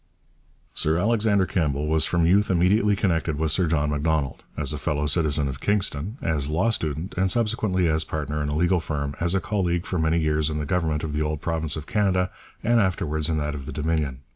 Sir Alexander Campbell was from youth intimately connected with Sir John Macdonald as a fellow citizen of Kingston, as law student and subsequently as partner in a legal firm, as a colleague for many years in the government of the old province of Canada and afterwards in that of the Dominion.